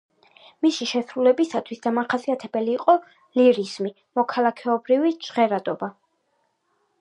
მისი შესრულებისათვის დამახასიათებელი იყო ლირიზმი, მოქალაქეობრივი ჟღერადობა.